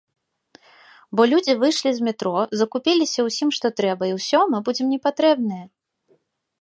Бо людзі выйшлі з метро, закупіліся ўсім, што трэба і ўсё мы будзем непатрэбныя.